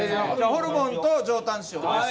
ホルモンと上タン塩です。